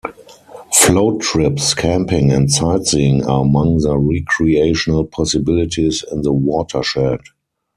Float trips, camping, and sightseeing are among the recreational possibilities in the watershed.